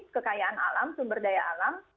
kekayaan alam sumber daya alam